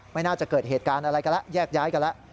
ไม่น่าจะเกิดเหตุการณ์อะไรกันแล้วแยกย้ายกันแล้ว